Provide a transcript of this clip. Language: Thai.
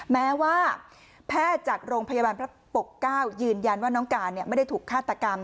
แม้ว่าแพทย์จากโรงพยาบาลพระปกเกล้ายืนยันว่าน้องการไม่ได้ถูกฆาตกรรม